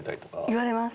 言われます。